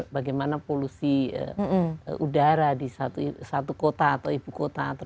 bagaimana polusi udara di satu kota atau ibu kota